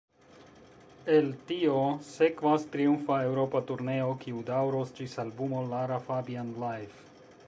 El tio sekvas triumfa Eŭropa turneo, kiu daŭros ĝis albumo Lara Fabian Live.